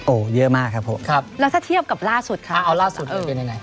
โอ้โหเยอะมากครับผมครับแล้วถ้าเทียบกับล่าสุดคะเอาล่าสุดมันเป็นยังไง